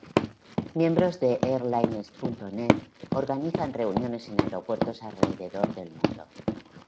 Miembros de Airliners.net organizan reuniones en aeropuertos alrededor del mundo.